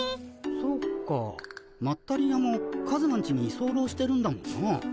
そっかまったり屋もカズマんちにいそうろうしてるんだもんな。